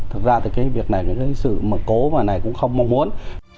thực ra việc này sự cố này cũng không mong muốn